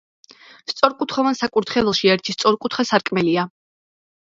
სწორკუთხოვან საკურთხეველში ერთი სწორკუთხა სარკმელია.